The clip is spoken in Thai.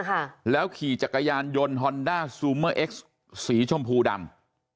ค่ะแล้วขี่จักรยานยนต์ฮอนด้าซูเมอร์เอ็กซ์สีชมพูดำ